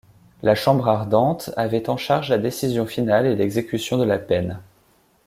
La Chambre ardente avait en charge la décision finale et l'exécution de la peine.